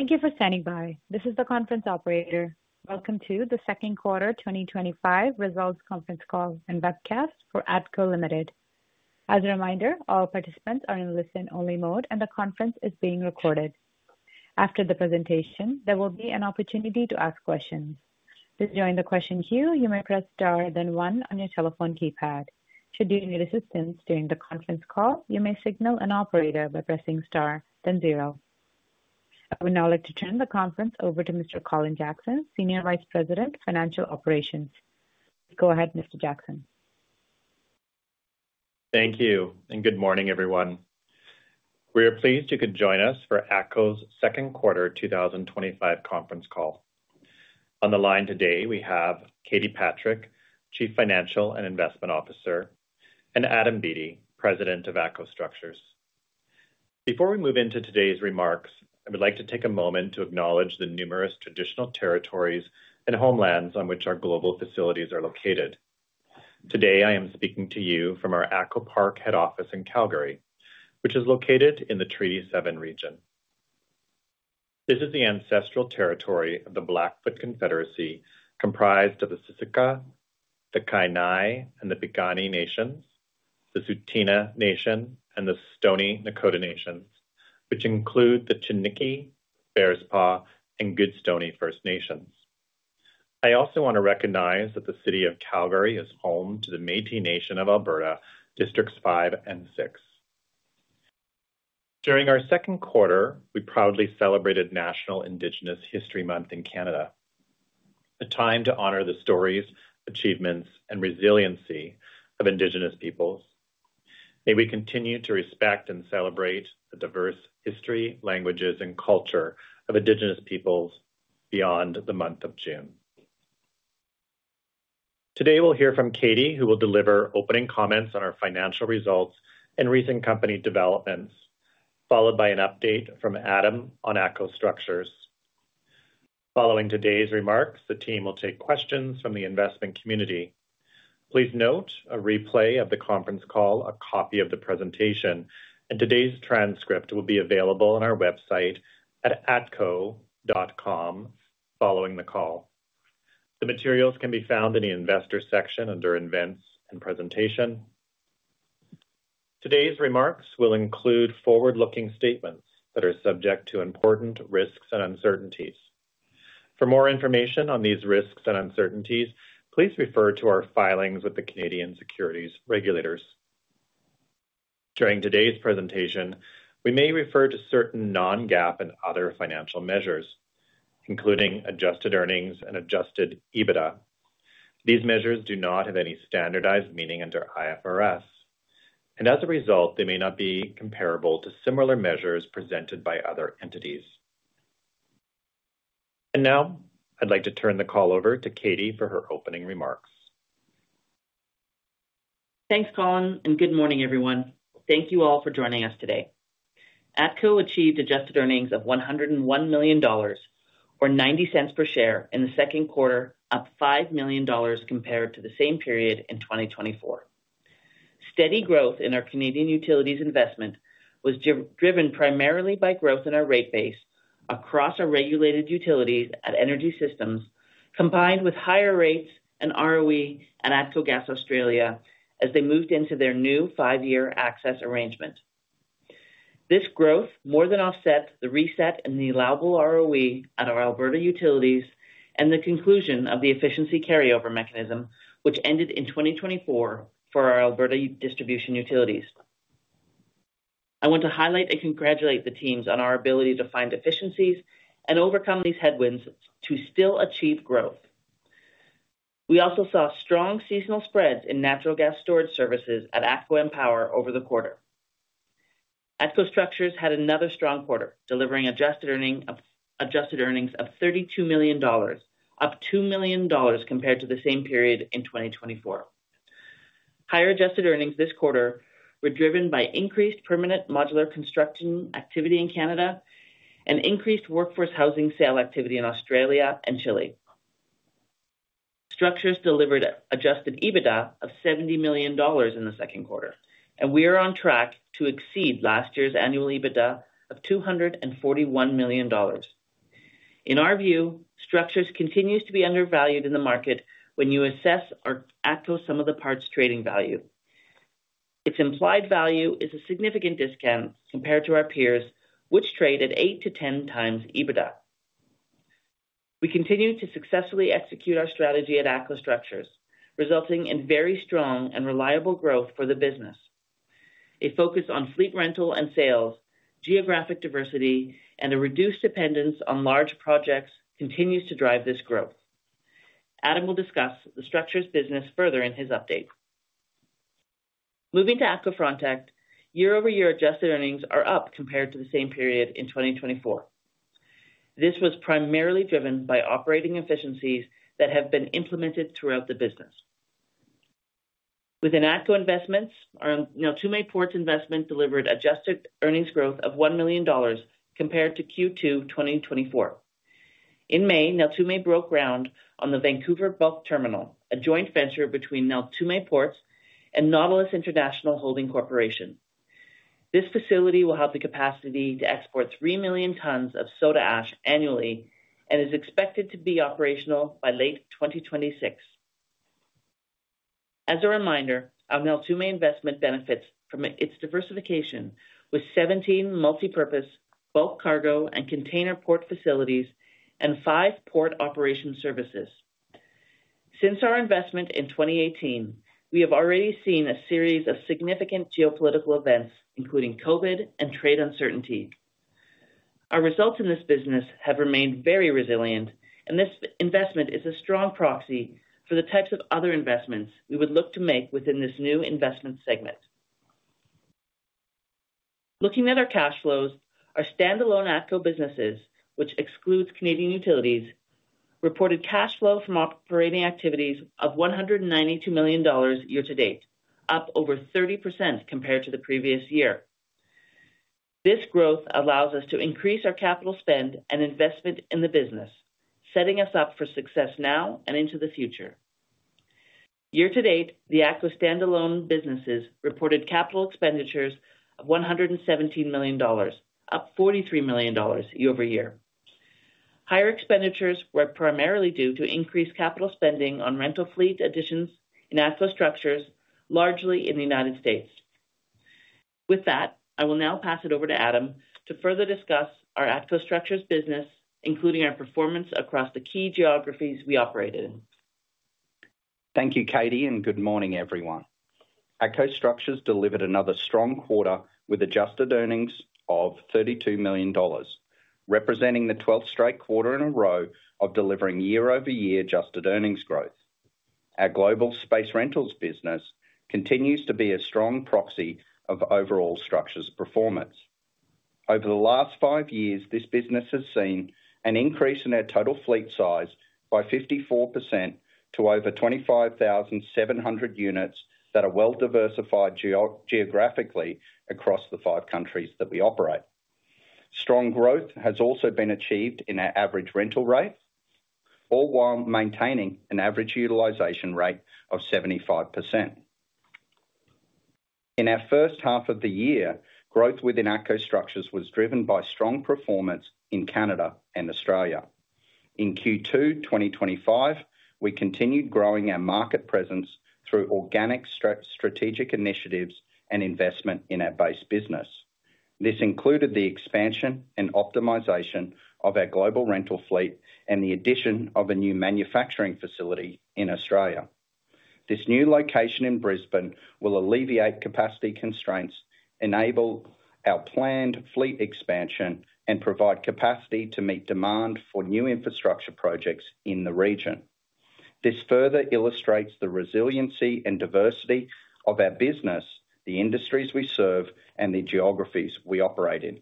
Thank you for standing by. This is the conference operator. Welcome to the second quarter 2025 results conference call and webcast for ATCO Ltd. As a reminder, all participants are in listen-only mode, and the conference is being recorded. After the presentation, there will be an opportunity to ask questions. To join the question queue, you may press star, then one on your telephone keypad. Should you need assistance during the conference call, you may signal an operator by pressing star, then zero. I would now like to turn the conference over to Mr. Colin Jackson, Senior Vice President, Financial Operations. Go ahead, Mr. Jackson. Thank you, and good morning, everyone. We are pleased you could join us for ATCO's second quarter 2025 conference call. On the line today, we have Katie Patrick, Chief Financial and Investment Officer, and Adam Beattie, President of ATCO Structures. Before we move into today's remarks, I would like to take a moment to acknowledge the numerous traditional territories and homelands on which our global facilities are located. Today, I am speaking to you from our ATCO Park Head Office in Calgary, which is located in the Treaty Seven region. This is the ancestral territory of the Blackfoot Confederacy, comprised of the Siksika, the Kainai, and the Piikani Nations, the Tsuut'ina Nation, and the Stoney Nakoda Nations, which include the Chiniki, Bearspaw, and Goodstoney First Nations. I also want to recognize that the city of Calgary is home to the Métis Nation of Alberta, Districts Five and Six. During our second quarter, we proudly celebrated National Indigenous History Month in Canada, a time to honor the stories, achievements, and resiliency of Indigenous peoples. May we continue to respect and celebrate the diverse history, languages, and culture of Indigenous peoples beyond the month of June. Today, we'll hear from Katie, who will deliver opening comments on our financial results and recent company developments, followed by an update from Adam on ATCO Structures. Following today's remarks, the team will take questions from the investment community. Please note a replay of the conference call, a copy of the presentation, and today's transcript will be available on our website at atco.com following the call. The materials can be found in the Investor section under Events and Presentation. Today's remarks will include forward-looking statements that are subject to important risks and uncertainties. For more information on these risks and uncertainties, please refer to our filings with the Canadian Securities Regulators. During today's presentation, we may refer to certain non-GAAP and other financial measures, including adjusted earnings and adjusted EBITDA. These measures do not have any standardized meaning under IFRS, and as a result, they may not be comparable to similar measures presented by other entities. I would like to turn the call over to Katie for her opening remarks. Thanks, Colin, and good morning, everyone. Thank you all for joining us today. ATCO achieved adjusted earnings of $101 million, or $0.90 per share in the second quarter, up $5 million compared to the same period in 2024. Steady growth in our Canadian Utilities investment was driven primarily by growth in our rate base across our regulated utilities at ATCO Energy Systems, combined with higher rates and ROE at ATCO Gas Australia as they moved into their new five-year access arrangement. This growth more than offsets the reset in the allowable ROE at our Alberta utilities and the conclusion of the efficiency carryover mechanism, which ended in 2024 for our Alberta distribution utilities. I want to highlight and congratulate the teams on our ability to find efficiencies and overcome these headwinds to still achieve growth. We also saw strong seasonal spreads in natural gas storage services at ATCO EnPower over the quarter. ATCO Structures had another strong quarter, delivering adjusted earnings of $32 million, up $2 million compared to the same period in 2024. Higher adjusted earnings this quarter were driven by increased permanent modular construction activity in Canada and increased workforce housing sale activity in Australia and Chile. Structures delivered adjusted EBITDA of $70 million in the second quarter, and we are on track to exceed last year's annual EBITDA of $241 million. In our view, Structures continues to be undervalued in the market when you assess ATCO's sum of the parts trading value. Its implied value is a significant discount compared to our peers, which trade at eight to ten times EBITDA. We continue to successfully execute our strategy at ATCO Structures, resulting in very strong and reliable growth for the business. A focus on fleet rental and sales, geographic diversity, and a reduced dependence on large projects continues to drive this growth. Adam will discuss the Structures business further in his update. Moving to ATCO Frontec, year-over-year adjusted earnings are up compared to the same period in 2024. This was primarily driven by operating efficiencies that have been implemented throughout the business. Within ATCO Investments, our Neltume Ports investment delivered adjusted earnings growth of $1 million compared to Q2 2024. In May, Neltume broke ground on the Vancouver Bulk Terminal, a joint venture between Neltume Ports and Nautilus International Holding Corporation. This facility will have the capacity to export 3 million tons of soda ash annually and is expected to be operational by late 2026. As a reminder, our Neltume Ports investment benefits from its diversification with 17 multipurpose bulk cargo and container port facilities and five port operation services. Since our investment in 2018, we have already seen a series of significant geopolitical events, including COVID and trade uncertainty. Our results in this business have remained very resilient, and this investment is a strong proxy for the types of other investments we would look to make within this new investment segment. Looking at our cash flows, our standalone ATCO businesses, which excludes Canadian Utilities, reported cash flow from operating activities of $192 million year to date, up over 30% compared to the previous year. This growth allows us to increase our capital spend and investment in the business, setting us up for success now and into the future. Year to date, the ATCO standalone businesses reported capital expenditures of $117 million, up $43 million year over year. Higher expenditures were primarily due to increased capital spending on rental fleet additions in ATCO Structures, largely in the United States. With that, I will now pass it over to Adam to further discuss our ATCO Structures business, including our performance across the key geographies we operate in. Thank you, Katie, and good morning, everyone. ATCO Structures delivered another strong quarter with adjusted earnings of $32 million, representing the 12th straight quarter in a row of delivering year-over-year adjusted earnings growth. Our global space rentals business continues to be a strong proxy of overall Structures performance. Over the last five years, this business has seen an increase in our total fleet size by 54% to over 25,700 units that are well-diversified geographically across the five countries that we operate. Strong growth has also been achieved in our average rental rate, all while maintaining an average utilization rate of 75%. In our first half of the year, growth within ATCO Structures was driven by strong performance in Canada and Australia. In Q2 2025, we continued growing our market presence through organic strategic initiatives and investment in our base business. This included the expansion and optimization of our global rental fleet and the addition of a new manufacturing facility in Australia. This new location in Brisbane will alleviate capacity constraints, enable our planned fleet expansion, and provide capacity to meet demand for new infrastructure projects in the region. This further illustrates the resiliency and diversity of our business, the industries we serve, and the geographies we operate in.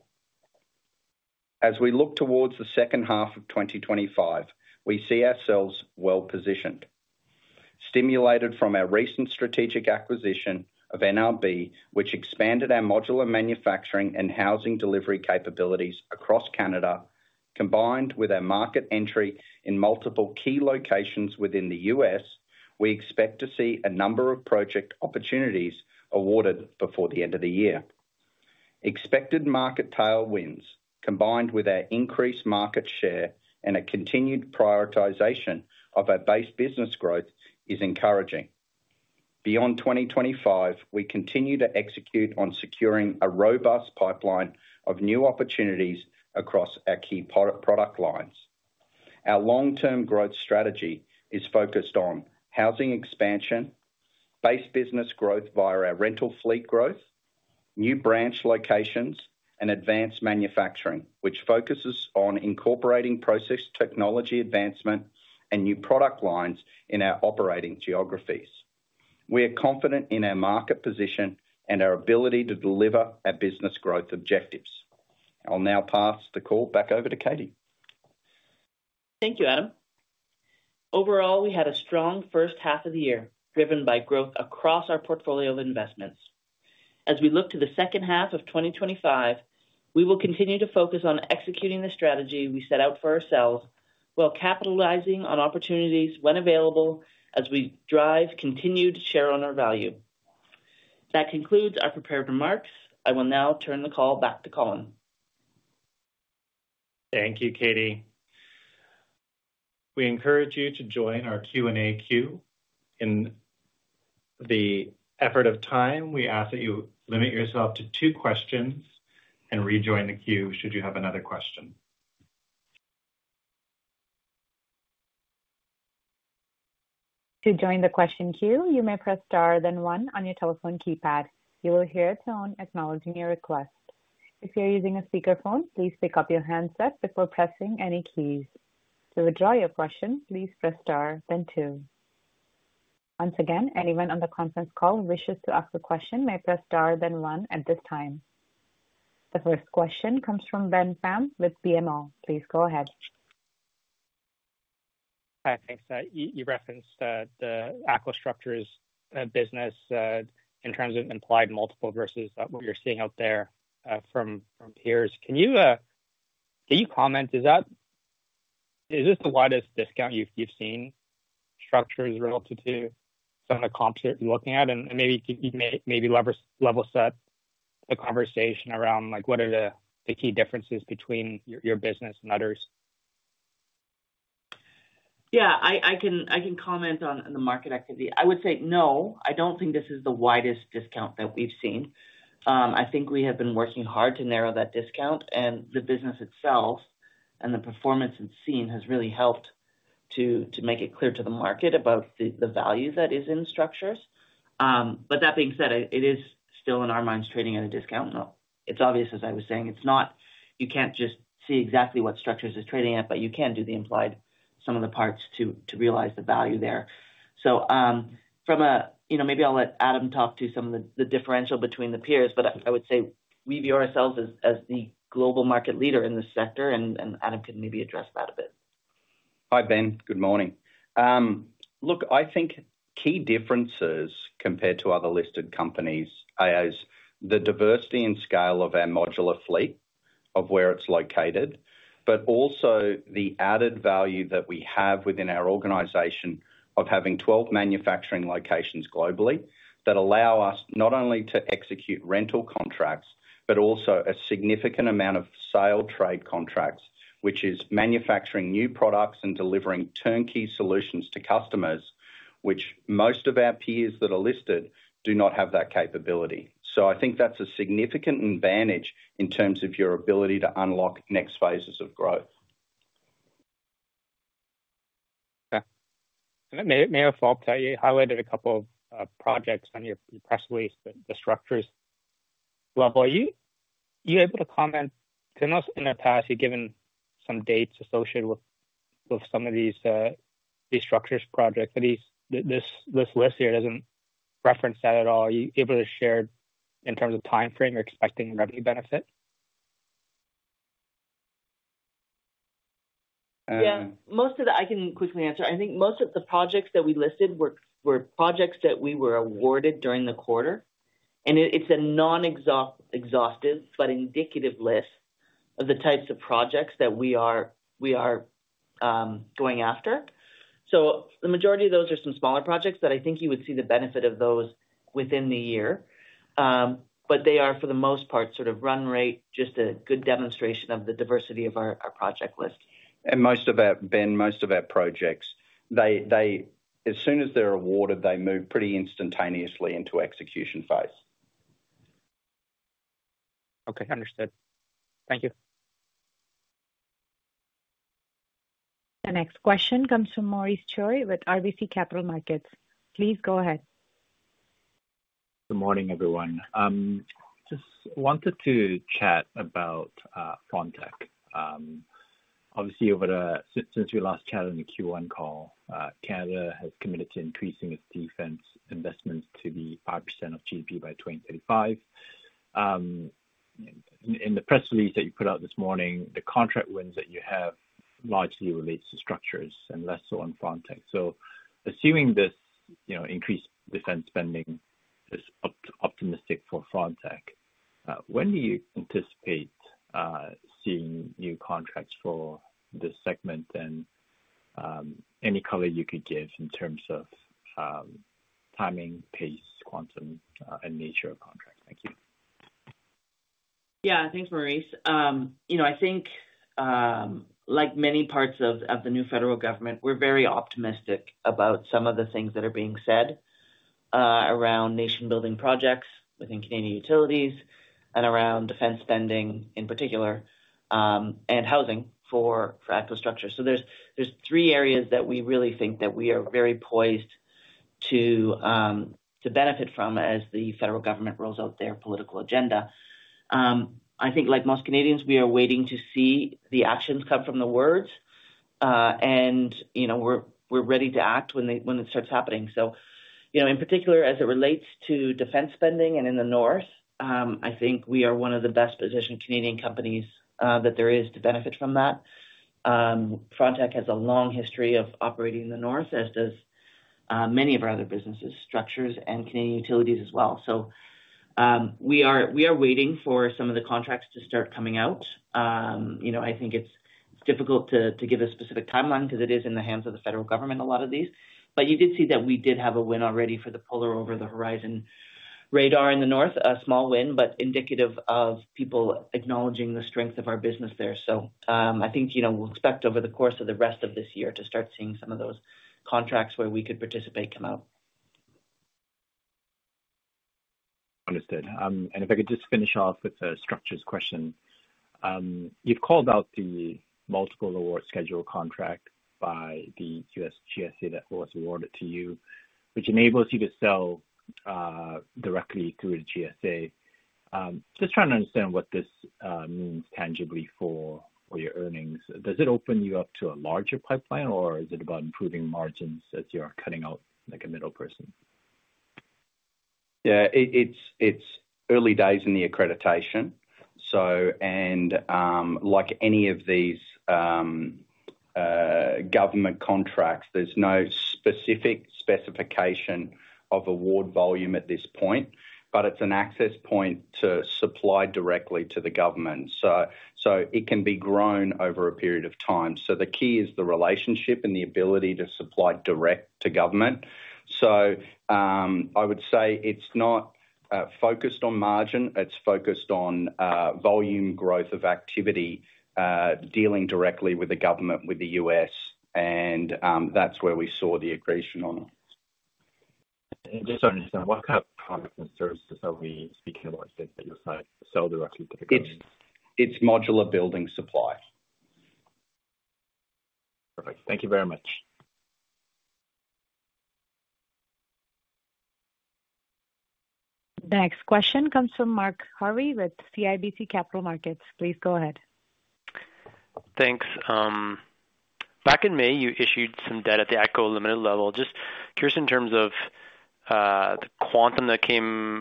As we look towards the second half of 2025, we see ourselves well positioned. Stimulated from our recent strategic acquisition of NRB, which expanded our modular manufacturing and housing delivery capabilities across Canada, combined with our market entry in multiple key locations within the U.S., we expect to see a number of project opportunities awarded before the end of the year. Expected market tailwinds, combined with our increased market share and a continued prioritization of our base business growth, are encouraging. Beyond 2025, we continue to execute on securing a robust pipeline of new opportunities across our key product lines. Our long-term growth strategy is focused on housing expansion, base business growth via our rental fleet growth, new branch locations, and advanced manufacturing, which focuses on incorporating process technology advancement and new product lines in our operating geographies. We are confident in our market position and our ability to deliver our business growth objectives. I'll now pass the call back over to Katie. Thank you, Adam. Overall, we had a strong first half of the year, driven by growth across our portfolio of investments. As we look to the second half of 2025, we will continue to focus on executing the strategy we set out for ourselves, while capitalizing on opportunities when available as we drive continued share-owner value. That concludes our prepared remarks. I will now turn the call back to Colin. Thank you, Katie. We encourage you to join our Q&A queue. In the effort of time, we ask that you limit yourself to two questions and rejoin the queue should you have another question. To join the question queue, you may press star, then one on your telephone keypad. You will hear a tone acknowledging your request. If you're using a speakerphone, please pick up your handset before pressing any keys. To withdraw your question, please press star, then two. Once again, anyone on the conference call who wishes to ask a question may press star, then one at this time. The first question comes from Ben Pham with BMO. Please go ahead. Hi, thanks. You referenced the ATCO Structures business in terms of implied multiple versus what we're seeing out there from peers. Can you comment, is this the widest discount you've seen Structures relative to some of the comps that you're looking at? Maybe you may level set the conversation around, like, what are the key differences between your business and others? Yeah, I can comment on the market activity. I would say no, I don't think this is the widest discount that we've seen. I think we have been working hard to narrow that discount, and the business itself and the performance it's seen has really helped to make it clear to the market about the value that is in Structures. That being said, it is still, in our minds, trading at a discount. It's obvious, as I was saying, it's not, you can't just see exactly what Structures is trading at, but you can do the implied sum of the parts to realize the value there. From a, you know, maybe I'll let Adam talk to some of the differential between the peers, but I would say we view ourselves as the global market leader in this sector, and Adam can maybe address that a bit. Hi, Ben. Good morning. I think key differences compared to other listed companies is the diversity and scale of our modular fleet, of where it's located, but also the added value that we have within our organization of having 12 manufacturing locations globally that allow us not only to execute rental contracts, but also a significant amount of sale trade contracts, which is manufacturing new products and delivering turnkey solutions to customers, which most of our peers that are listed do not have that capability. I think that's a significant advantage in terms of your ability to unlock next phases of growth. Okay. May I have a follow-up to that? You highlighted a couple of projects on your press release at the Structures level. Are you able to comment, because I know in the past you've given some dates associated with some of these Structures projects, but this list here doesn't reference that at all. Are you able to share in terms of timeframe you're expecting a revenue benefit? Yeah, most of that I can quickly answer. I think most of the projects that we listed were projects that we were awarded during the quarter, and it's a non-exhaustive but indicative list of the types of projects that we are going after. The majority of those are some smaller projects, and I think you would see the benefit of those within the year. They are, for the most part, sort of run rate, just a good demonstration of the diversity of our project list. Most of our projects, Ben, as soon as they're awarded, they move pretty instantaneously into execution phase. Okay, understood. Thank you. The next question comes from Maurice Choy with RBC Capital Markets. Please go ahead. Good morning, everyone. Just wanted to chat about Frontec. Obviously, since we last chatted in the Q1 call, Canada has committed to increasing its defense investments to be 2% of GDP by 2029. In the press release that you put out this morning, the contract wins that you have largely relate Structures and less so on Frontec. Assuming this increased defense spending is optimistic for Frontec, when do you anticipate seeing new contracts for this segment and any color you could give in terms of timing, pace, quantum, and nature of contracts? Thank you. Yeah, thanks, Maurice. I think, like many parts of the new federal government, we're very optimistic about some of the things that are being said around nation-building projects within Canadian Utilities and around defense spending in particular and housing for ATCO Structures. There are three areas that we really think that we are very poised to benefit from as the federal government rolls out their political agenda. I think, like most Canadians, we are waiting to see the actions come from the words, and we're ready to act when it starts happening. In particular, as it relates to defense spending and in the North, I think we are one of the best-positioned Canadian companies that there is to benefit from that. Frontec has a long history of operating in the North, as do many of our other businesses, Structures and Canadian Utilities as well. We are waiting for some of the contracts to start coming out. I think it's difficult to give a specific timeline because it is in the hands of the federal government, a lot of these. You did see that we did have a win already for the Polar Over the Horizon radar in the North, a small win, but indicative of people acknowledging the strength of our business there. I think we'll expect over the course of the rest of this year to start seeing some of those contracts where we could participate come out. Understood. If I could just finish off with a Structures question. You've called out the multiple award schedule contract by the U.S. GSA that was awarded to you, which enables you to sell directly through the GSA. Just trying to understand what this means tangibly for your earnings. Does it open you up to a larger pipeline, or is it about improving margins as you're cutting out like a middle person? Yeah, it's early days in the accreditation. Like any of these government contracts, there's no specific specification of award volume at this point, but it's an access point to supply directly to the government. It can be grown over a period of time. The key is the relationship and the ability to supply direct to government. I would say it's not focused on margin. It's focused on volume growth of activity, dealing directly with the government, with the U.S., and that's where we saw the accretion on it. Just so I understand, what kind of products and services are we speaking about here that you're selling directly to the government? It's modular building supply. Perfect. Thank you very much. The next question comes from Mark Jarvi with CIBC Capital Markets. Please go ahead. Thanks. Back in May, you issued some debt at the ATCO Ltd. level. Just curious in terms of the quantum that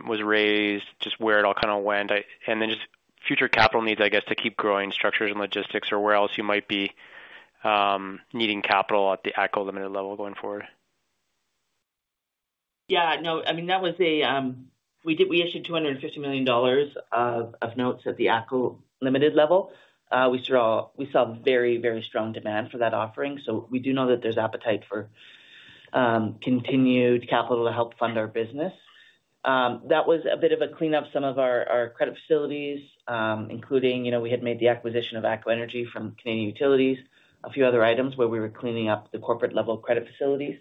was raised, just where it all kind of went, and then just future capital needs, I guess, to keep growing Structures and logistics, or where else you might be needing capital at the ATCO Ltd. level going forward. Yeah, no, I mean, that was a, we issued $250 million of notes at the ATCO Ltd. level. We saw very, very strong demand for that offering. We do know that there's appetite for continued capital to help fund our business. That was a bit of a cleanup of some of our credit facilities, including, you know, we had made the acquisition of ATCO Energy from Canadian Utilities, a few other items where we were cleaning up the corporate-level credit facilities.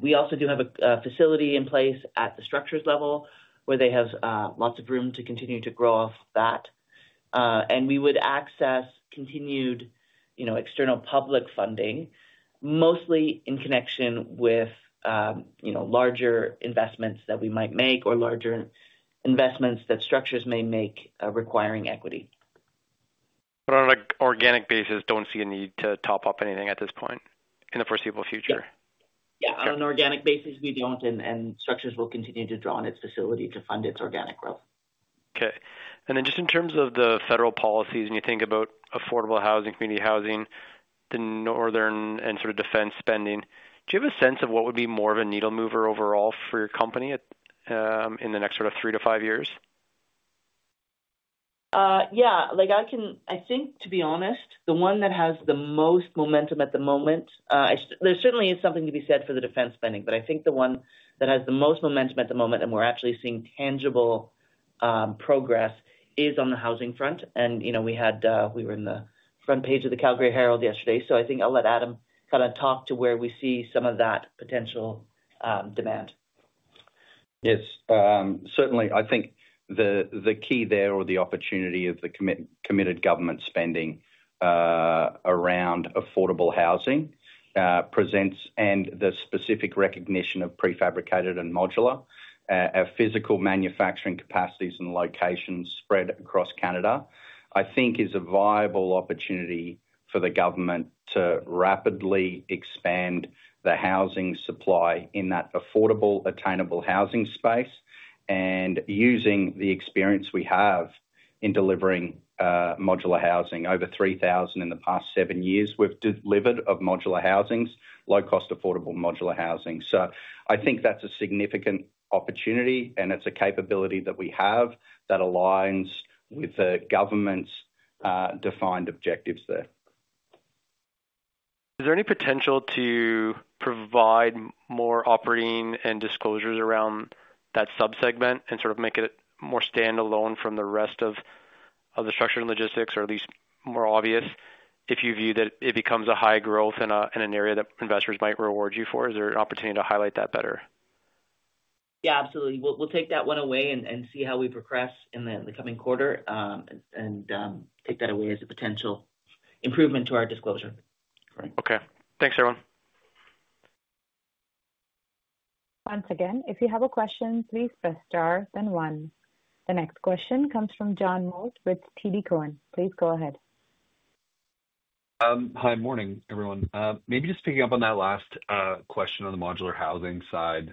We also do have a facility in place at the Structures level where they have lots of room to continue to grow off that. We would access continued, you know, external public funding, mostly in connection with, you know, larger investments that we might make or larger investments that Structures may make, requiring equity. On an organic basis, don't see a need to top up anything at this point in the foreseeable future? Yeah, on an organic basis, we don't, and structures will continue to draw on its facility to fund its organic growth. Okay. In terms of the federal policies, when you think about affordable housing, community housing, the northern and sort of defense spending, do you have a sense of what would be more of a needle mover overall for your company in the next three to five years? I think, to be honest, the one that has the most momentum at the moment, there certainly is something to be said for the defense spending, but I think the one that has the most momentum at the moment and we're actually seeing tangible progress is on the housing front. You know, we were in the front page of the Calgary Herald yesterday. I think I'll let Adam kind of talk to where we see some of that potential demand. Yes, certainly. I think the key there or the opportunity of the committed government spending around affordable housing presents, and the specific recognition of prefabricated and modular, our physical manufacturing capacities and locations spread across Canada, I think is a viable opportunity for the government to rapidly expand the housing supply in that affordable, attainable housing space. Using the experience we have in delivering modular housing, over 3,000 in the past seven years, we've delivered of modular housings, low-cost affordable modular housing. I think that's a significant opportunity, and it's a capability that we have that aligns with the government's defined objectives there. Is there any potential to provide more operating and disclosures around that subsegment and sort of make it more standalone from the rest of the Structures and Logistics, or at least more obvious if you view that it becomes a high growth in an area that investors might reward you for? Is there an opportunity to highlight that better? Absolutely. We'll take that one away and see how we progress in the coming quarter and take that away as a potential improvement to our disclosure. Great. Okay. Thanks, everyone. Once again, if you have a question, please press star, then one. The next question comes from John Moult with TD Cowen. Please go ahead. Hi, morning, everyone. Maybe just picking up on that last question on the modular housing side.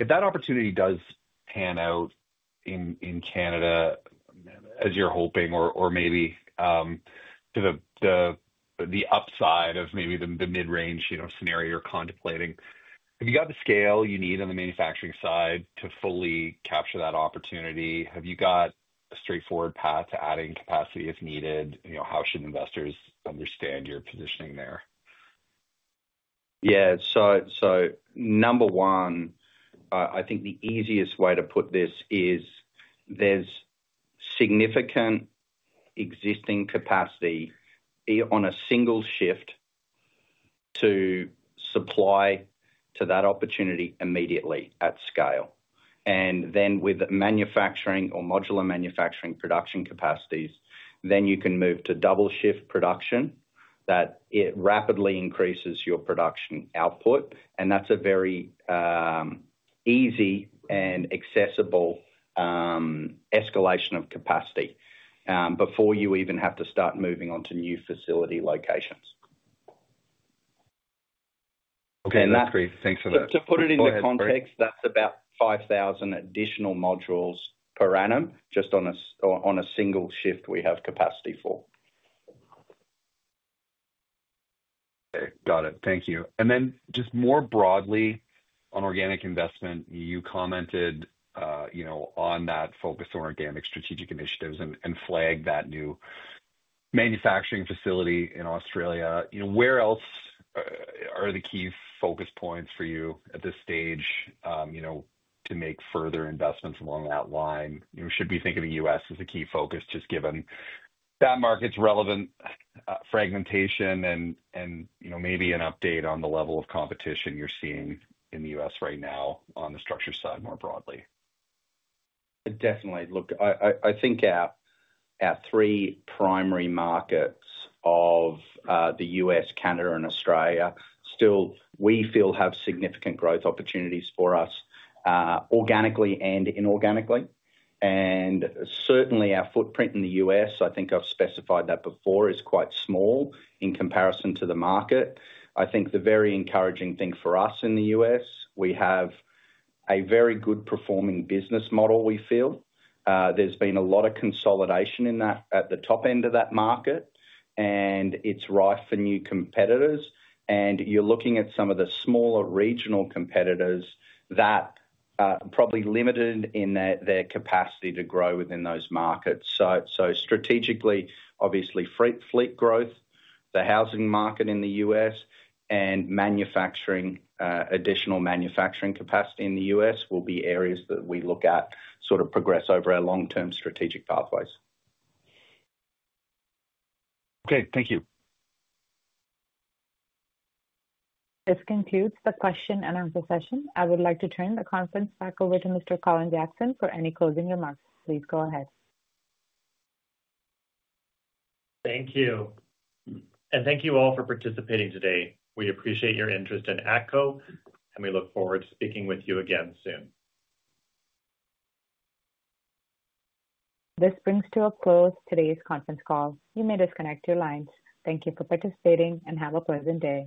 If that opportunity does pan out in Canada as you're hoping, or maybe to the upside of maybe the mid-range scenario you're contemplating, have you got the scale you need on the manufacturing side to fully capture that opportunity? Have you got a straightforward path to adding capacity as needed? How should investors understand your positioning there? Yeah, so number one, I think the easiest way to put this is there's significant existing capacity on a single shift to supply to that opportunity immediately at scale. With manufacturing or modular manufacturing production capacities, you can move to double shift production that rapidly increases your production output. That's a very easy and accessible escalation of capacity before you even have to start moving on to new facility locations. Okay, great. Thanks for that. To put it into context, that's about 5,000 additional modules per annum just on a single shift. We have capacity for that. Okay, got it. Thank you. Just more broadly on organic investment, you commented on that focus on organic strategic initiatives and flagged that new manufacturing facility in Australia. Where else are the key focus points for you at this stage to make further investments along that line? Should we think of the U.S. as a key focus, just given that market's relevant fragmentation and maybe an update on the level of competition you're seeing in the U.S. right now on the structure side more broadly? Definitely. Look, I think our three primary markets of the U.S., Canada, and Australia still, we feel, have significant growth opportunities for us organically and inorganically. Certainly, our footprint in the U.S., I think I've specified that before, is quite small in comparison to the market. I think the very encouraging thing for us in the U.S., we have a very good performing business model, we feel. There's been a lot of consolidation in that at the top end of that market, and it's rife for new competitors. You're looking at some of the smaller regional competitors that are probably limited in their capacity to grow within those markets. Strategically, obviously, fleet growth, the housing market in the U.S., and additional manufacturing capacity in the U.S. will be areas that we look at to sort of progress over our long-term strategic pathways. Okay, thank you. This concludes the question-and-answer session. I would like to turn the conference back over to Mr. Colin Jackson for any closing remarks. Please go ahead. Thank you. Thank you all for participating today. We appreciate your interest in ATCO, and we look forward to speaking with you again soon. This brings to a close today's conference call. You may disconnect your lines. Thank you for participating and have a pleasant day.